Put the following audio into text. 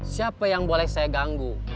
siapa yang boleh saya ganggu